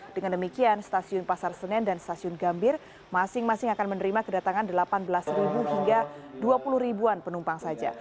dengan demikian stasiun pasar senen dan stasiun gambir masing masing akan menerima kedatangan delapan belas hingga dua puluh an penumpang saja